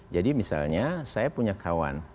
jadi misalnya saya punya kawan